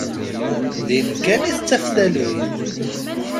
Din kan i tettaf talwit.